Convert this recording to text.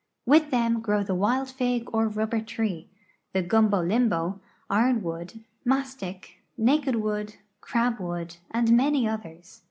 With them grow the wild fig or rubber tree, the gumbo limbo, iron wood, mastic, naked wood, crabwood, and many others.